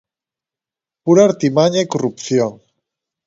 ¡Pura artimaña e corrupción!